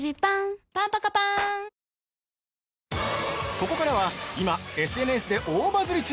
◆ここからは今、ＳＮＳで大バズリ中！